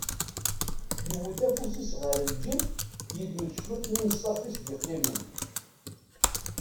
Yewwet afus-is ɣer lǧib, yeddem-d cwiṭ-nni n ṣṣarf is-d-yeqqimen.